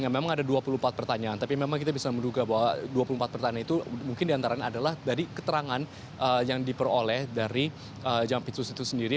memang ada dua puluh empat pertanyaan tapi memang kita bisa menduga bahwa dua puluh empat pertanyaan itu mungkin diantaranya adalah dari keterangan yang diperoleh dari jampitus itu sendiri